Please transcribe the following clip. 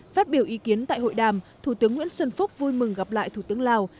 phát biểu ý kiến tại hội đàm thủ tướng nguyễn xuân phúc vui mừng gặp lại thủ tướng lào